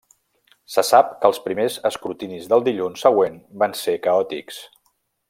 Se sap que els primers escrutinis del dilluns següent van ser caòtics.